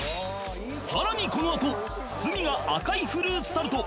さらにこのあと鷲見が赤いフルーツタルト